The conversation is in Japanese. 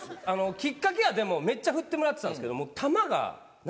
きっかけはめっちゃふってもらってたんですけども。